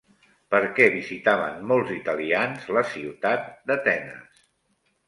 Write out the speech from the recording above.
Per què visitaven molts italians la ciutat d'Atenes?